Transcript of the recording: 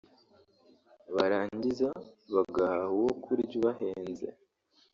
barangiza bagahaha uwo kurya ubahenze